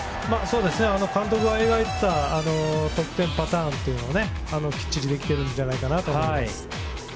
監督が描いていた得点パターンがきっちりできてるんじゃないかなと思います。